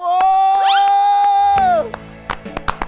โอ้โห